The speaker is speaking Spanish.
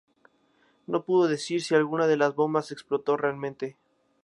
No pudo decir si alguna de las bombas explotó realmente.